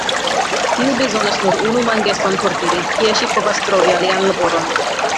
Tiu bezonas nur unu mangeston por diri, kie ŝi povas trovi alian laboron.